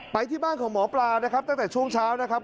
ไปที่บ้านของหมอปลานะครับตั้งแต่ช่วงเช้านะครับ